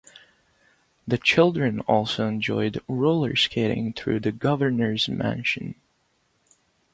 The children also enjoyed roller skating through the Governor's Mansion.